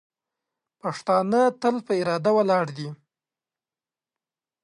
پښتانه تل په اراده ولاړ دي.